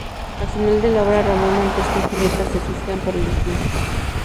Al final de la obra Romeo Montesco y Julieta se "suicidan por el destino".